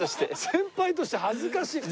先輩として恥ずかしい。